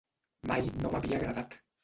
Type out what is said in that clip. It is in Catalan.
Mai no m'havia agradat.